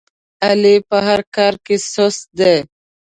علي په هر کار کې سست دی.